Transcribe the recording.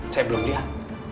saya belum lihat